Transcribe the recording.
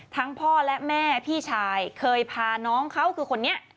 พ่อและแม่พี่ชายเคยพาน้องเขาคือคนนี้